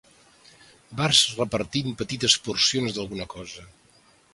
Vas repartint petites porcions d'alguna cosa.